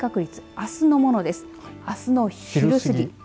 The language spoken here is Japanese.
あすの昼過ぎ。